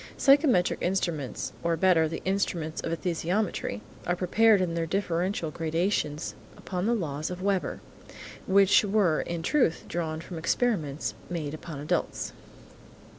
Psychometric instruments, or better, the instruments of esthesiometry, are prepared in their differential gradations upon the laws of Weber, which were in truth drawn from experiments made upon adults.